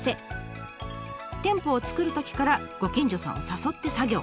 店舗を作るときからご近所さんを誘って作業。